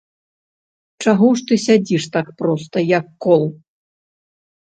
Чаго ж ты сядзіш так проста, як кол?